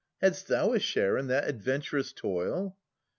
Hadst thou a share in that adventurous toil?